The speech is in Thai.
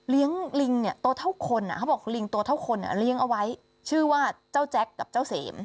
ลิงเนี่ยตัวเท่าคนเขาบอกลิงตัวเท่าคนเลี้ยงเอาไว้ชื่อว่าเจ้าแจ็คกับเจ้าเสม